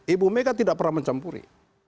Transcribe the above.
ibu mega tidak pernah mencampuri